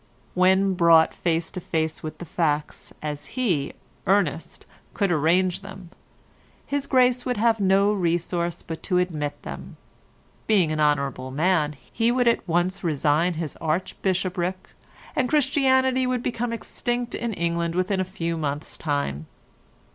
When brought face to face with the facts, as he, Ernest, could arrange them; his Grace would have no resource but to admit them; being an honourable man he would at once resign his Archbishopric, and Christianity would become extinct in England within a few months' time.